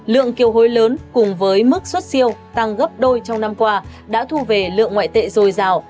lượng kiều hối lớn cùng với mức xuất siêu tăng gấp đôi trong năm qua đã thu về lượng ngoại tệ dồi dào